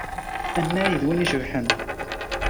Anay d win icebḥen.